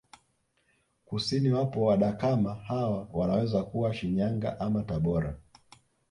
Kusini wapo Wadakama hawa wanaweza kuwa Shinyanga ama Tabora